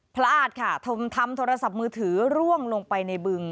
พลาดค่ะทำโทรศัพท์มือถือร่วงลงไปในบึง